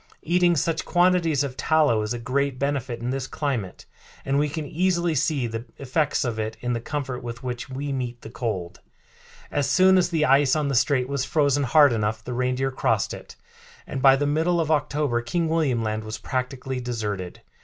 Eating such quantities of tallow is a great benefit in this climate, and we can easily see the effects of it in the comfort with which we meet the cold." As soon as the ice on the strait was frozen hard enough the reindeer crossed it, and by the middle of October King William Land was practically deserted.